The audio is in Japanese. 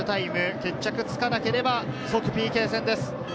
決着がつかなければ、即ＰＫ戦です。